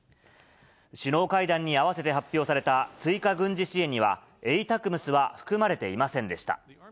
首脳会談に合わせて発表された追加軍事支援には、エイタクムスは含まれていませんでした。